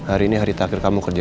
aku baik baik aja kuba